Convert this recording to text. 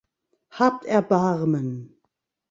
Habt Erbarmen!